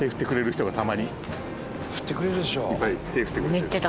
いっぱい手振ってくれてる。